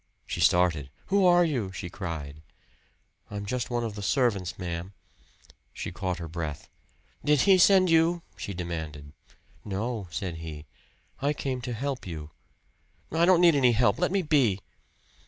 She started. "Who are you?" she cried. "I'm just one of the servants, ma'am." She caught her breath. "Did he send you?" she demanded. "No," said he, "I came to help you." "I don't need any help. Let me be."